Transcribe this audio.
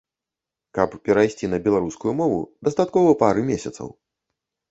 Каб перайсці на беларускую мову дастаткова пары месяцаў.